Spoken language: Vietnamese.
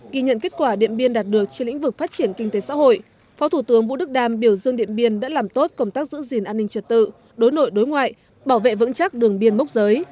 ghi nhận kết quả điện biên đạt được trên lĩnh vực phát triển kinh tế xã hội phó thủ tướng vũ đức đam biểu dương điện biên đã làm tốt công tác giữ gìn an ninh trật tự đối nội đối ngoại bảo vệ vững chắc đường biên mốc giới